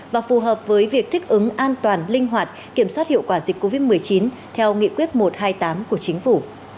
và phù hợp với việc thích ứng an toàn linh hoạt kiểm soát hiệu quả dịch covid một mươi chín theo nghị quyết một trăm hai mươi tám của chính phủ